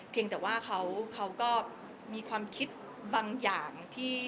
เพียงแต่ว่าเขาก็มีความคิดบางอย่าง